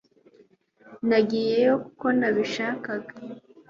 nagiyeyo kuko nabishakaga